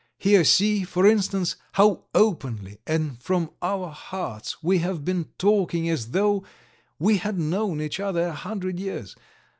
Here, see, for instance, how openly and from our hearts we have been talking as though we had known each other a hundred years.